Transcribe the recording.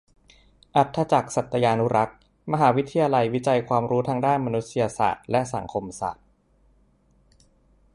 อรรถจักร์ สัตยานุรักษ์ : มหาวิทยาลัยวิจัยกับความรู้ทางด้านมนุษยศาสตร์และสังคมศาสตร์